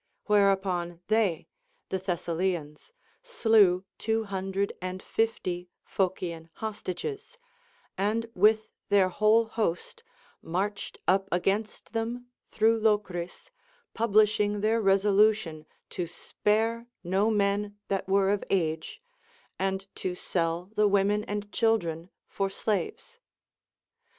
Where upon they (the Thessalians) slew two hundred and fifty Phocian hostages, and with their whole host marched up against them through Locris, pubHshing their resolution to spare no men that were of age, and to sell the women and children for slaves.